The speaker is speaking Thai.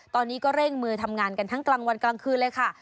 ตอนนี้ก็เร่งมือทำงานกันทั้งกลางวันกลางคืนเลยค่ะ